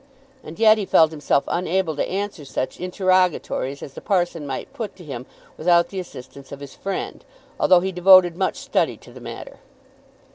And yet he felt himself unable to answer such interrogatories as the parson might put to him without the assistance of his friend, although he devoted much study to the matter.